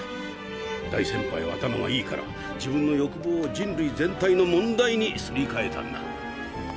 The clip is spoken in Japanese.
大先輩は頭がいいから自分の欲望を人類全体の問題にすりかえたんだ。